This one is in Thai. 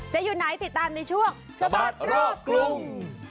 จะหยุดไหนติดตามในช่วงสบัตรกลุ่ม